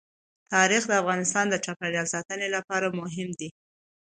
تاریخ د افغانستان د چاپیریال ساتنې لپاره مهم دي.